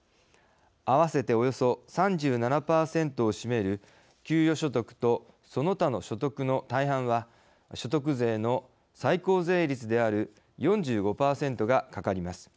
合わせて、およそ３７％を占める給与所得とその他の所得の大半は所得税の最高税率である４５％がかかります。